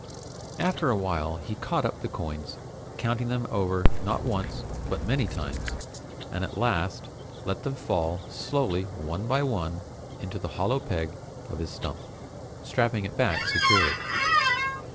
After a while he caught up the coins, counting them over not once but many times, and at last let them fall slowly one by one into the hollow peg of his stump, strapping it back securely.